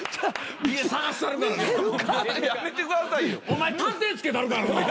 お前探偵つけたるからな。